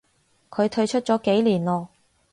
佢退出咗幾年咯